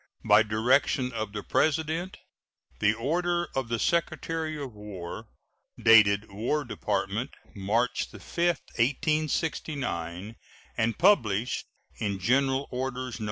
By direction of the President, the order of the Secretary of War dated War Department, March 5, 1869, and published in General Orders, No.